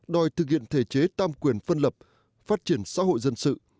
đòi thực hiện thể chế tam quyền phân lập phát triển xã hội dân sự